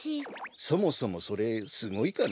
そもそもそれすごいかな？